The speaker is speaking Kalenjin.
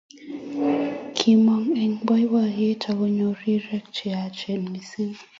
Kimong eng boiboiyet agonyor rirek che yachen missing